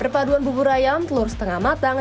perpaduan bubur ayam telur setengah matang